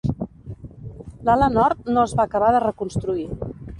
L'ala nord no es va acabar de reconstruir.